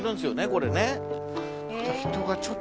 これね。